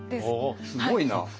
すごいな。